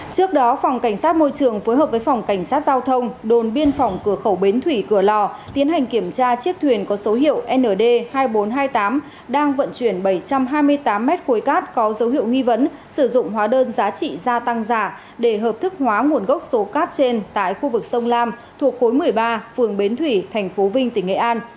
trước đó phòng cảnh sát môi trường phối hợp với phòng cảnh sát giao thông đồn biên phòng cửa khẩu bến thủy cửa lò tiến hành kiểm tra chiếc thuyền có số hiệu nd hai nghìn bốn trăm hai mươi tám đang vận chuyển bảy trăm hai mươi tám mét khối cát có dấu hiệu nghi vấn sử dụng hóa đơn giá trị gia tăng giả để hợp thức hóa nguồn gốc số cát trên tại khu vực sông lam thuộc khối một mươi ba phường bến thủy tp vinh tỉnh nghệ an